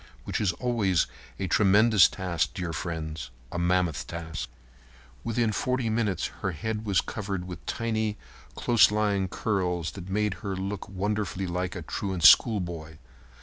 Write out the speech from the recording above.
Which is always a tremendous task, dear friends—a mammoth task. Within forty minutes her head was covered with tiny, close lying curls that made her look wonderfully like a truant schoolboy.